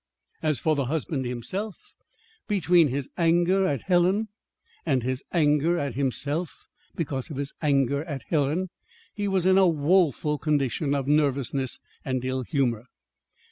As for the husband himself, between his anger at Helen and his anger at himself because of his anger at Helen, he was in a woeful condition of nervousness and ill humor.